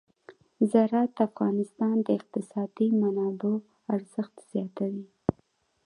زراعت د افغانستان د اقتصادي منابعو ارزښت زیاتوي.